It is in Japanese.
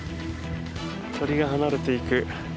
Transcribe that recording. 鳥が離れていく。